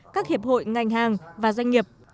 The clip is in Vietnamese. các hiệp hội ngành hàng và doanh nghiệp